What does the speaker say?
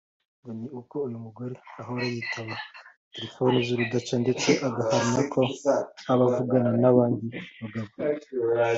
ngo ni uko uyu mugore ahora yitaba telefone z’urudaca ndetse agahamya ko aba avugana n’abandi bagabo